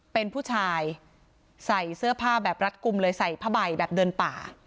เป็นผู้ชายใส่เสื้อผ้าแบบรัดกลุ่มเลยใส่ผ้าใบแบบเดินป่า